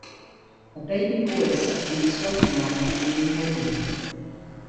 A baby boy sucks on the sweater arm of the woman holding him